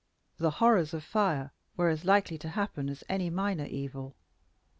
The horrors of fire were as likely to happen as any minor evil.